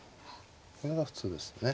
これが普通ですね。